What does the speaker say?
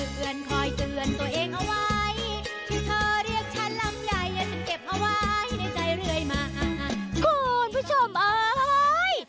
คุณผู้ชมเอ้ย